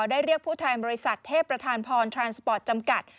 ได้เรียกผู้แทนบริษัทเทพประธานพรจำกัด